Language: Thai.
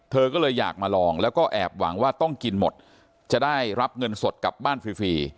เธอก็เลยอยากมาลองแล้วก็แอบหวังว่าต้องกินหมดจะได้รับเงินสดกลับบ้านฟรี